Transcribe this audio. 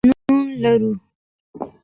قانون لرو.